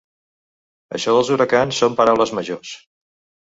Això dels huracans són paraules majors...